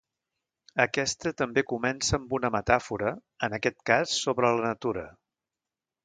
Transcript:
Aquesta també comença amb una metàfora, en aquest cas sobre la natura.